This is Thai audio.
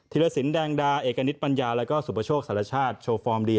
รสินแดงดาเอกณิตปัญญาแล้วก็สุปโชคสารชาติโชว์ฟอร์มดี